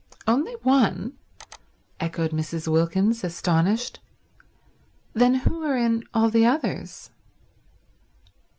"Only one?" echoed Mrs. Wilkins, astonished. "Then who are in all the others?"